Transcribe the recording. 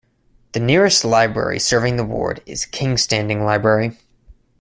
The nearest library serving the ward is Kingstanding Library.